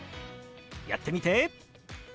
やってみて！